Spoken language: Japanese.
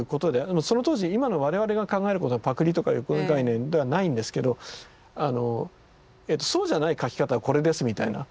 その当時今の我々が考えることはパクリとかいう概念ではないんですけど「そうじゃない描き方これです」みたいな。